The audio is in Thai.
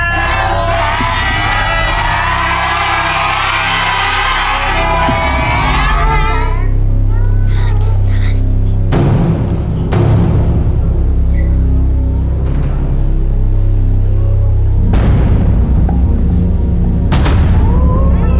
สวัสดีครับ